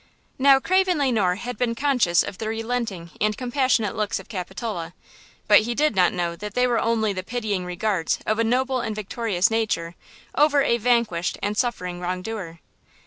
Now, Craven Le Noir had been conscious of the relenting and compassionate looks of Capitola, but he did not know that they were only the pitying regards of a noble and victorious nature over a vanquished and suffering wrong doer.